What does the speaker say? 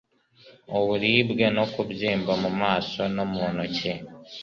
uburibwe no kubyimba mu maso no mu ntoki